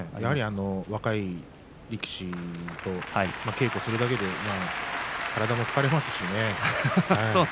若い力士稽古をするだけで体も疲れますしね。